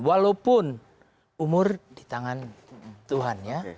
walaupun umur di tangan tuhan ya